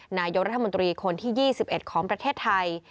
นายกรัฐมนตรีคนที่๒๑ของประเทศไทย